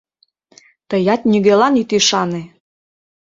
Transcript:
Тыят нигӧлан ит ӱшане!..